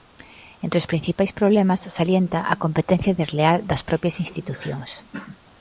Entre os principais problemas, salienta a "competencia desleal" das propias institucións.